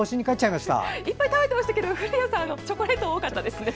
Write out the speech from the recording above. いっぱい食べてましたが古谷さん、チョコレート多かったですね。